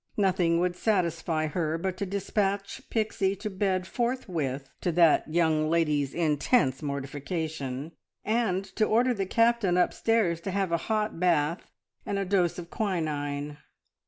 Nothing would satisfy her but to despatch Pixie to bed forthwith, to that young lady's intense mortification, and to order the Captain upstairs to have a hot bath and a dose of quinine.